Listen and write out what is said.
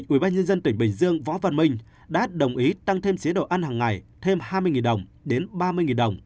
ubnd tỉnh bình dương võ văn minh đã đồng ý tăng thêm chế độ ăn hàng ngày thêm hai mươi đồng đến ba mươi đồng